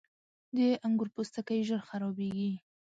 • د انګور پوستکی ژر خرابېږي.